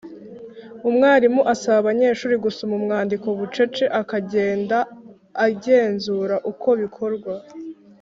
Umwarimu asaba abanyeshuri gusoma umwandiko bucece akagenda agenzura uko bikorwa.